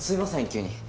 急に。